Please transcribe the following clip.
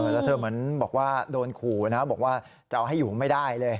แล้วเธอเหมือนบอกว่าโดนขู่นะบอกว่าจะเอาให้อยู่ไม่ได้เลย